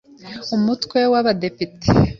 Umutwe w Abadepite